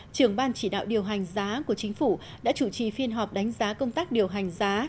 trưởng ban chỉ đạo điều hành giá của chính phủ đã chủ trì phiên họp đánh giá công tác điều hành giá